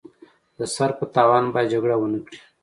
د سر په تاوان باید جګړه ونکړي.